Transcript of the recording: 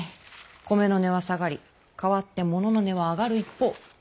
米の値は下がり代わって物の値は上がる一方。